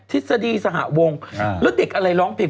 ฤษฎีสหวงแล้วเด็กอะไรร้องเพลง